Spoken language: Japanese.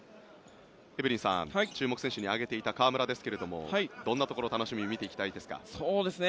エブリンさん注目選手に挙げていた河村ですがどんなところ楽しみに見ていきたいですか？